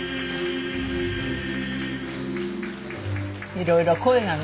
いろいろ声がね